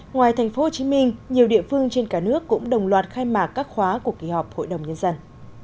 ngoài tp hcm nhiều địa phương trên cả nước cũng đồng loạt khai mạc các khóa của kỳ họp hội đồng nhân dân